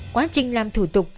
quá trình làm thủ tục